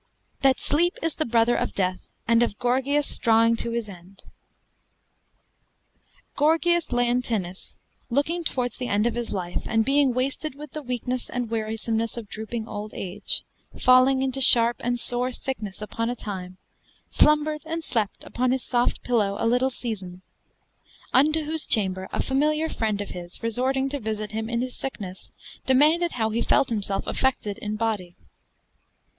THAT SLEEP IS THE BROTHER OF DEATH, AND OF GORGIAS DRAWING TO HIS END Gorgias Leontinus looking towardes the end of his life and beeing wasted with the weaknes and wearysomenesse of drooping olde age, falling into sharp and sore sicknesse upon a time slumbered and slept upon his soft pillowe a little season. Unto whose chamber a familiar freend of his resorting to visit him in his sicknes demaunded how he felt himself affected in body.